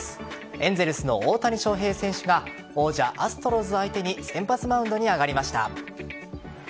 エンゼルスの大谷翔平選手が王者・アストロズ相手に先発マウンドに上がりました。